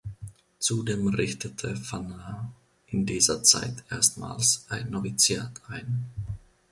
Zudem richtete Pfanner in dieser Zeit erstmals ein Noviziat ein.